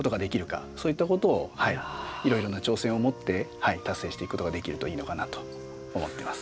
そういったことをいろいろな挑戦をもって達成していくことができるといいのかなと思ってます。